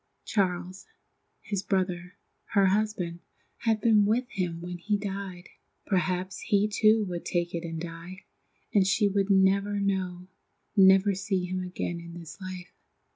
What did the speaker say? Charles, his brother, her husband, had been with him when he died. Perhaps he too would take it and die, and she would never know, never see him again in this life.